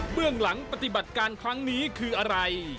เรื่องหลังปฏิบัติการครั้งนี้คืออะไร